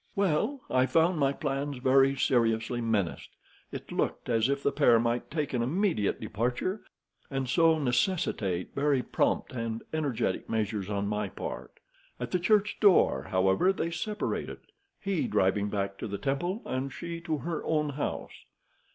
"Well, I found my plans very seriously menaced. It looked as if the pair might take an immediate departure, and so necessitate very prompt and energetic measures on my part. At the church door, however, they separated, he driving back to the Temple, and she to her own house.